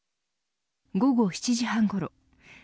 午後７時半ごろ